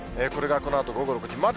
これがこのあと午後６時。